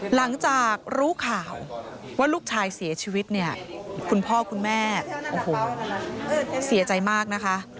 หลังจากรู้ข่าวว่าลูกชายเสียชีวิตเนี่ยคุณพ่อคุณแม่โอ้โหเสียใจมากนะคะ